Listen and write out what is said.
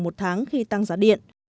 một tháng khi tăng giá điện